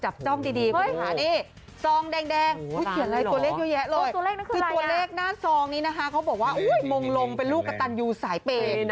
บอกว่าโมงลงเป็นลูกกับตันยูสายเปรย์